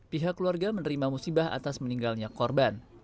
pihak keluarga menerima musibah atas meninggalnya korban